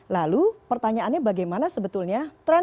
lalu pertanyaannya bagaimana sebetulnya tren